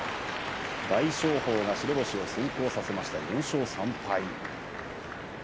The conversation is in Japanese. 大翔鵬、白星先行させました４勝３敗。